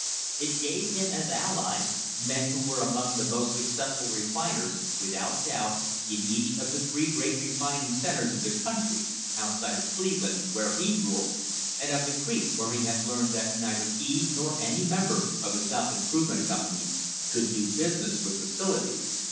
It gave him as allies men who were among the most successful refiners, without doubt, in each of the three greatest refining centres of the country outside of Cleve land, where he ruled, and of the creek, where he had learned that neither he nor any member of the South Improvement Company could do business with facility.